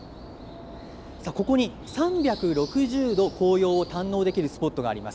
ここに、３６０度紅葉を堪能できるスポットがあります。